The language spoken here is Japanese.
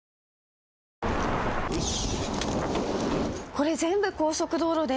これ全部高速道路で。